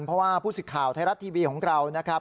เพราะว่าผู้สิทธิ์ข่าวไทยรัฐทีวีของเรานะครับ